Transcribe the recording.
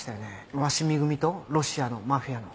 鷲見組とロシアのマフィアの。